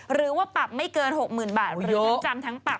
หรือว่าปรับไม่เกิน๖๐๐๐บาทหรือทั้งจำทั้งปรับ